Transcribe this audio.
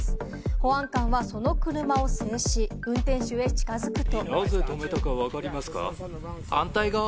保安官は、その車を制し、運転手へ近づくと。